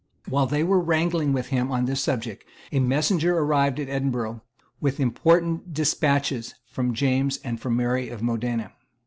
While they were wrangling with him on this subject, a messenger arrived at Edinburgh with important despatches from James and from Mary of Modena.